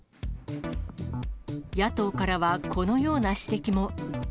野党からはこのような指摘も。